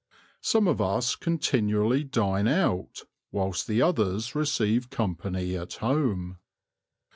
Some of us continually dine out, whilst the others receive company at home....